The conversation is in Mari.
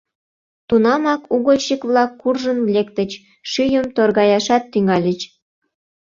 Тунамак угольщик-влак куржын лектыч, шӱйым торгаяшат тӱҥальыч.